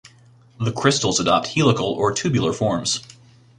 The crystals adopt helical or tubular forms.